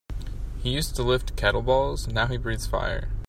He used to lift kettlebells now he breathes fire.